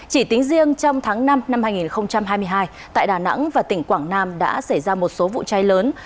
chỉ tính riêng trong tháng năm năm hai nghìn hai mươi hai tại đà nẵng và tỉnh quảng nam đã xảy ra một số vụ cháy lớn